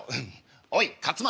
「おい勝俣」。